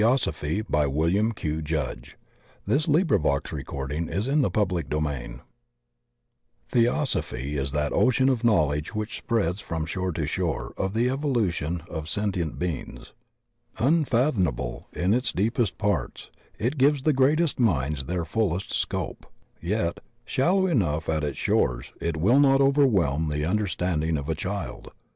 The purpose of the Lodge. Pages 146 to 153 THE OCEAN OF THEOSOPHY Chapter I THEOSOPHY is that ocean of knowledge which spreads from shore to shore of the evolution of sentient beings; unfathomable in its deepest parts, it gives the greatest minds their fullest scope, yet, shallow enough at its shores, it will not overwhelm the understanding of a child.